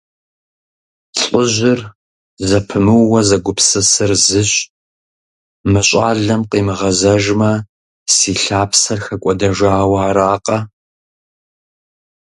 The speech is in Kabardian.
ЛӀыжьыр зэпымыууэ зэгупсысыр зыщ: «Мы щӀалэм къимыгъэзэжмэ, си лъапсэр хэкӀуэдэжауэ аракъэ?».